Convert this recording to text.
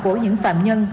của những phạm nhân